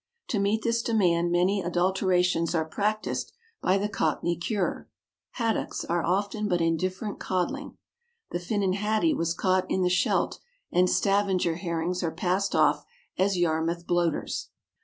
To meet this demand many adulterations are practised by the cockney curer. "Haddocks" are often but indifferent codling. The "Finnan Haddie" was caught in the Scheldt, and Stavanger herrings are passed off as Yarmouth bloaters.